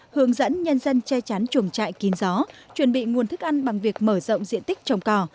hướng dẫn nhân dân che chán chuồng trại kín gió chuẩn bị nguồn thức ăn bằng việc mở rộng diện tích trong cò